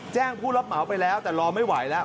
ผู้รับเหมาไปแล้วแต่รอไม่ไหวแล้ว